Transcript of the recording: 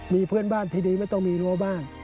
มีเพื่อนบ้านที่ดีไม่ต้องมีรั้วบ้าน